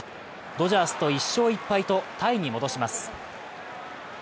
ドジャースと１勝１敗とタイに戻します。